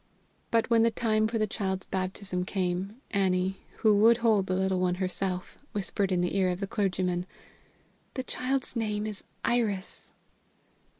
But when the time for the child's baptism came, Annie, who would hold the little one herself, whispered in the ear of the clergyman: "The child's name is Iris."